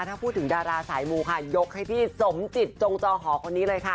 ถ้าพูดถึงดาราสายมูค่ะยกให้พี่สมจิตจงจอหอคนนี้เลยค่ะ